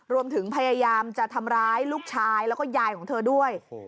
รวมถึงพยายามจะทำร้ายลูกชายแล้วก็ยายของเธอด้วย